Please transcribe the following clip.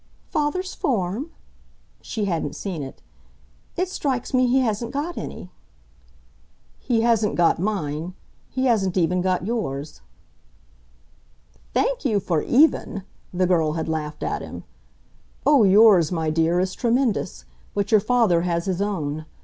"Father's form?" She hadn't seen it. "It strikes me he hasn't got any." "He hasn't got mine he hasn't even got yours." "Thank you for 'even'!" the girl had laughed at him. "Oh, yours, my dear, is tremendous. But your father has his own.